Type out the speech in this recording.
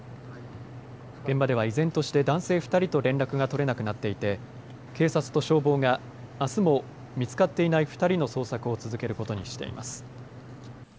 現場では依然として男性２人と連絡が取れなくなっていて警察と消防が、あすも見つかっていない２人の捜索を続けることにしています。